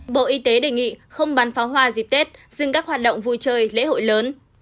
bộ y tế đề nghị không bán pháo hoa dịp tết dừng các hoạt động vui chơi lễ hội lớn